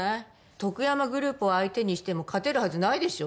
とくやまグループを相手にしても勝てるはずないでしょ。